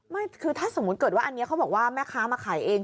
ไม่คือถ้าสมมุติเกิดว่าอันนี้เขาบอกว่าแม่ค้ามาขายเอง